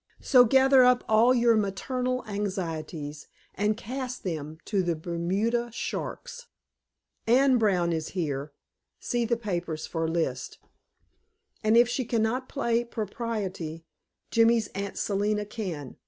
So gather up all your maternal anxieties and cast them to the Bermuda sharks. Anne Brown is here see the papers for list and if she can not play propriety, Jimmy's Aunt Selina can.